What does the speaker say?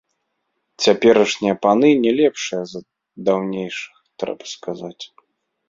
Цяперашнія паны не лепшыя за даўнейшых, трэба сказаць.